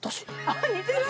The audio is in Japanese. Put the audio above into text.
あっ似てる！